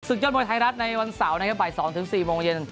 ยอดมวยไทยรัฐในวันเสาร์นะครับบ่าย๒๔โมงเย็น